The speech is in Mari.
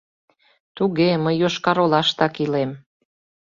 — Туге, мый Йошкар-Олаштак илем.